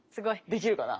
できるかな？